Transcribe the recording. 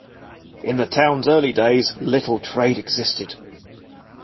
In the town's early days, little trade existed.